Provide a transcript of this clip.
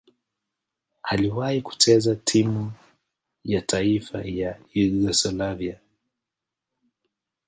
Aliwahi kucheza timu ya taifa ya Yugoslavia.